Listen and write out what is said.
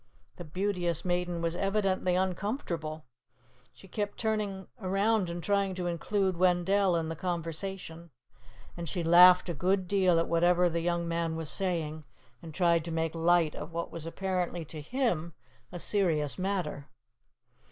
The Beauteous Maiden was evidently uncomfortable. She kept turning around and trying to include Wendell in the conversation, and she laughed a good deal at whatever the young man was saying, and tried to make light of what was apparently to him a serious matter.